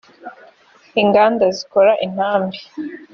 inganda zikora intambi